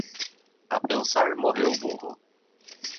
A pensar morreu o burro.